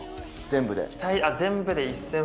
全部で。